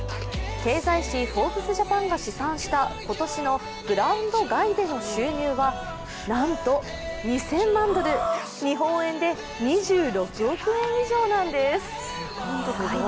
経済誌「ＦｏｒｂｅｓＪＡＰＡＮ」が試算した今年のグラウンド外での収入はなんと２０００万ドル、日本円で２６億円以上なんです。